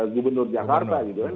gubernur jakarta gitu kan